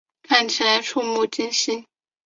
看起来怵目惊心